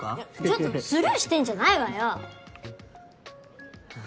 ちょっとスルーしてんじゃないわよ。